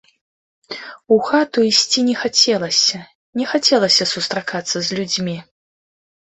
У хату ісці не хацелася, не хацелася сустракацца з людзьмі.